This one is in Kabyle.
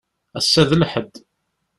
Assa d lḥedd.